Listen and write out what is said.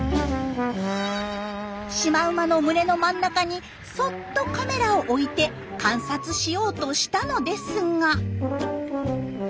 シマウマの群れの真ん中にそっとカメラを置いて観察しようとしたのですが。